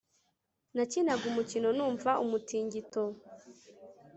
Nakinaga umukino numva umutingito